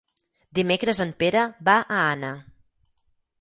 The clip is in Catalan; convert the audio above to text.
Dimecres en Pere va a Anna.